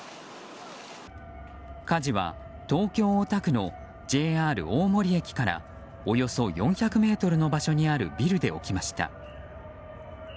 火事は東京・大田区のＪＲ大森駅からおよそ４００ｍの場所にあるビルで起きました。